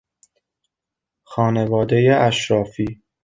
خانوادهی اشرافی